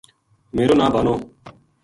میرو ناں بانو